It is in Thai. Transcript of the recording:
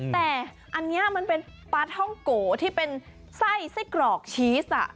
แต่อันนี้มันเป็นปลาท่องโกที่เป็นไส้ไส้กรอกชีส